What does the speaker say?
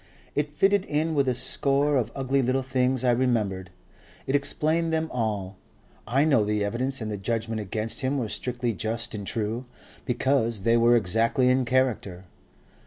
It fitted in with a score of ugly little things I remembered. It explained them all. I know the evidence and the judgment against him were strictly just and true, because they were exactly in character....